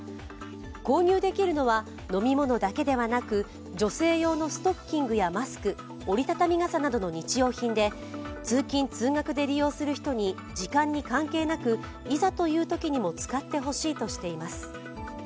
購入できるのは飲み物だけではなく女性用のストッキングやマスク、折り畳み傘などの日用品で、通勤・通学で利用する人に時間に関係なく、いざというときにも使ってほしいとしています。